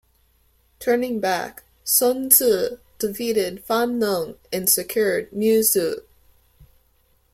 Turning back, Sun Ce defeated Fan Neng and secured Niuzhu.